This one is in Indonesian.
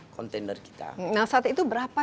kontainer kita nah saat itu berapa